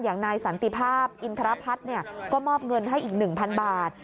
อย่างนายสันติภาพอินทรพัฒน์ก็มอบเงินให้อีก๑๐๐บาท